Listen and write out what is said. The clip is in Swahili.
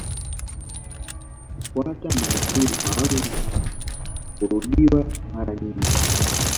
Maneno hufuata maudhui maalumu na hurudiwa mara nyingi